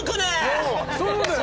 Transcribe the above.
そうだよね？